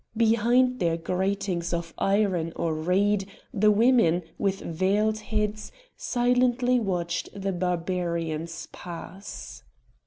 Behind their gratings of iron or reed the women, with veiled heads, silently watched the Barbarians pass.